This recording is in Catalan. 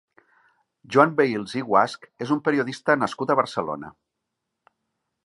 Joan Vehils i Guasch és un periodista nascut a Barcelona.